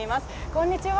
こんにちは。